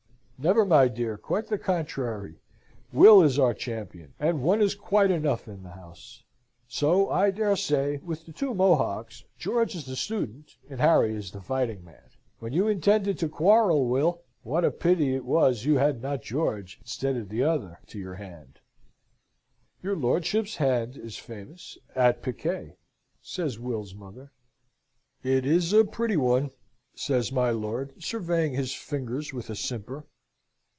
"Never, my dear; quite the contrary! Will is our champion, and one is quite enough in the house. So I dare say with the two Mohocks; George is the student, and Harry is the fighting man. When you intended to quarrel, Will, what a pity it was you had not George, instead of t'other, to your hand!" "Your lordship's hand is famous at piquet," says Will's mother. "It is a pretty one," says my lord, surveying his fingers, with a simper.